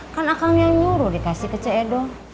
kan akang yang nyuruh dikasih ke cee edo